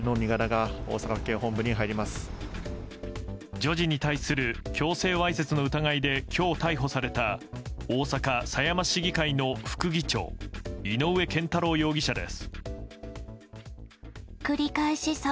女児に対する強制わいせつの疑いで今日、逮捕された大阪狭山市議会の副議長井上健太郎容疑者です。